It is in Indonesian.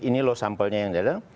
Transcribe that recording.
ini loh sampelnya yang jelas